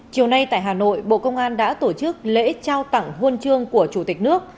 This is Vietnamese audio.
chiều nay tại hà nội bộ công an đã tổ chức lễ trao tặng huân chương của chủ tịch nước